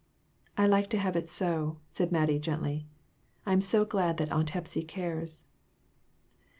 " I like to have it so," said Mattie, gently ;" I am so glad that Aunt Hepsy cares."